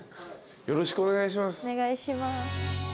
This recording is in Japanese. よろしくお願いします。